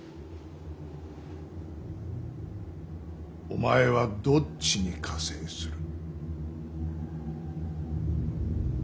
お前はどっちに加勢する。